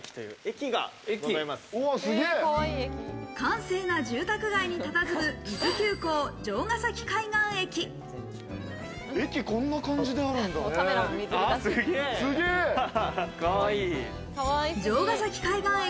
閑静な住宅街にたたずむ伊豆急行、城ヶ崎海岸駅。